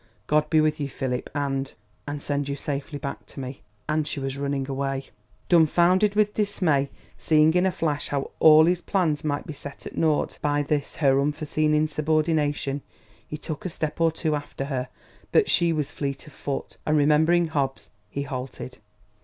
"God be with you, Philip, and and send you safely back to me...." And she was running away. Dumfounded with dismay, seeing in a flash how all his plans might be set at naught by this her unforeseen insubordination, he took a step or two after her; but she was fleet of foot, and, remembering Hobbs, he halted.